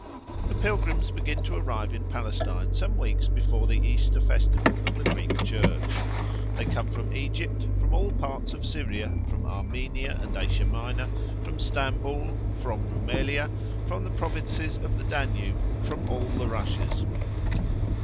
The pilgrims begin to arrive in Palestine some weeks before the Easter festival of the Greek Church. They come from Egypt, from all parts of Syria, from Armenia and Asia Minor, from Stamboul, from Roumelia, from the provinces of the Danube, and from all the Russias.